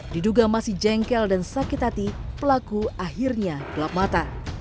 diduga masih jengkel dan sakit hati pelaku akhirnya gelap mata